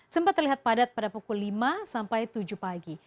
sempat terlihat padat pada pukul lima sampai tujuh pagi